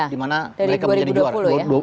dimana mereka menjadi juara